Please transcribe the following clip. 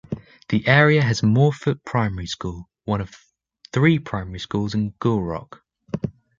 The area has Moorfoot Primary School, one of three primary schools in Gourock.